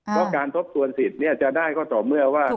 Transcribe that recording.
เพราะการทบทวนสิทธิ์จะได้ก็ต่อเมื่อว่า